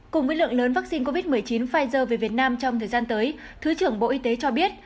cùng với lượng lớn vaccine covid một mươi chín pfizer về việt nam trong thời gian tới thứ trưởng bộ y tế cho biết